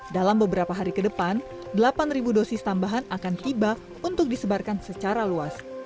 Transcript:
dalam beberapa hari ke depan delapan dosis tambahan akan tiba untuk disebarkan secara luas